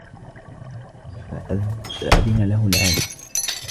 فَأَذِنَ لَهُ الْعَالِمُ